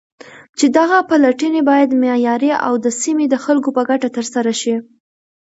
چې دغه پلټنې بايد معياري او د سيمې د خلكو په گټه ترسره شي.